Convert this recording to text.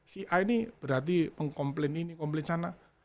si a ini berarti mengkomplain ini komplain sana